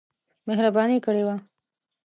مهرباني کړې وه.